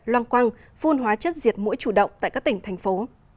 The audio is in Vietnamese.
loang quang phun hóa chất diệt mũi chủ động tại các tỉnh thành phố